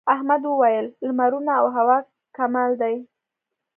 احمد وويل: لمرونه او هوا کمال دي.